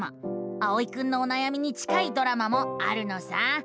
あおいくんのおなやみに近いドラマもあるのさ。